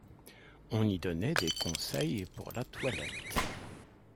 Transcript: On y donnait des conseils pour la toilette.